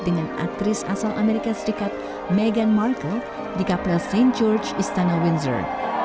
dengan aktris asal amerika serikat meghan markle di kapel st george istana windsor